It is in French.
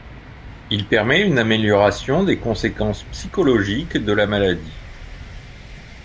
Il permet une amélioration des conséquences psychologiques de la maladie.